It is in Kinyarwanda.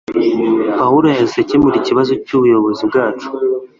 Pawulo yahise akemura ikibazo cyubuyobozi bwacu